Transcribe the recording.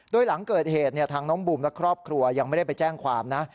โดยหลังเกิดเหตุทางน้องบูมและครอบครัวยังไม่ได้ไปแจ้งความนะ